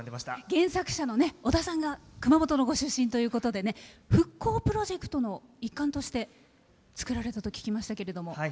原作者の尾田さんが熊本のご出身ということで復興プロジェクトの一環として作られたと聞きまたけれど。